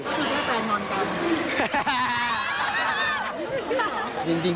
รู้จักกับใครหรือ